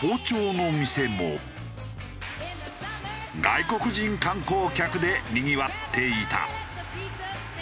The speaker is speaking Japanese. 外国人観光客でにぎわっていた。